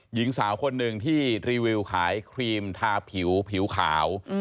หญิงสาวคนหนึ่งที่รีวิวขายครีมทาผิวผิวขาว